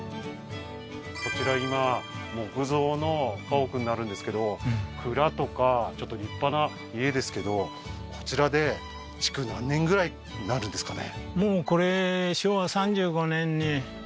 こちら今木造の家屋になるんですけど蔵とかちょっと立派な家ですけどこちらで築何年ぐらいなるんですかね？